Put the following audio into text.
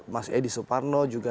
mas edi suparno juga